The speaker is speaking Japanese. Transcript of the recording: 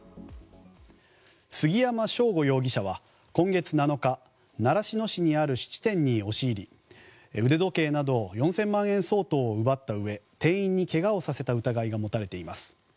杉山翔吾容疑者は今月７日習志野市にある質店に押し入り腕時計など４０００万円相当を奪ったうえ店員にけがをさせた疑いが持たれています。